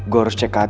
gue harus cek ke atas